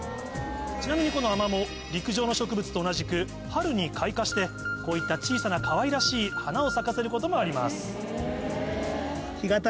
ちなみにこのアマモ陸上の植物と同じく春に開花してこういった小さなかわいらしい花を咲かせることもあります。